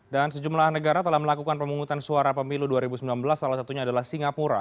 dan sejumlah negara telah melakukan pemungutan suara pemilu dua ribu sembilan belas salah satunya adalah singapura